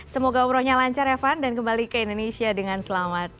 semoga umrohnya lancar evan dan kembali ke indonesia dengan selamat